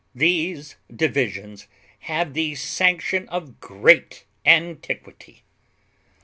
These divisions have the sanction of great antiquity.